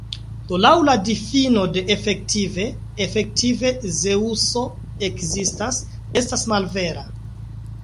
Do laŭ la difino de "efektive", "Efektive Zeŭso ekzistas" estas malvera.